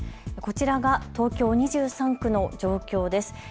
こちらが東京２３区の状況です。